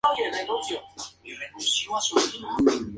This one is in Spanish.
El paladar tiende a hacerse de color limonita.